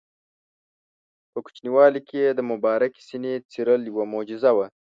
په کوچنیوالي کې یې د مبارکې سینې څیرل یوه معجزه وه.